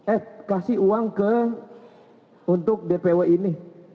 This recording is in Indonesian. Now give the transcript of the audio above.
eh kasih uang ke untuk dpw ini